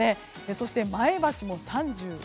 そして、前橋も３１。